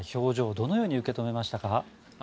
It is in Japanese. どのように受け止めましたか？